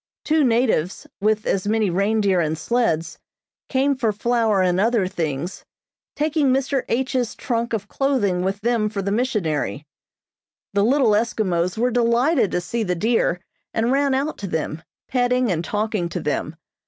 Two natives, with as many reindeer and sleds, came for flour and other things, taking Mr. H.'s trunk of clothing with them for the missionary. The little Eskimos were delighted to see the deer, and ran out to them, petting and talking to them.